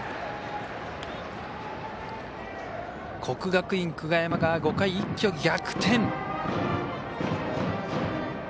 国学院久我山が５回、一挙逆転。